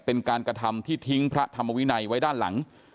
เป็นการกระทำที่ทิ้งพระธรรมวินัยไว้ด้านหลัง